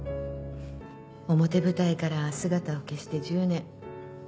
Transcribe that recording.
表舞台から姿を消して１０年。